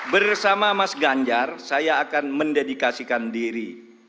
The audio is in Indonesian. bersama mas ganjar saya akan mendedikasikan diri